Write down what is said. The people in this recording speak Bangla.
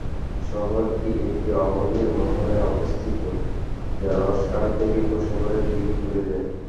শহরটি একটি অগভীর মোহনায় অবস্থিত, যা রসকারবেরি উপসাগরের দিকে খুলে যায়।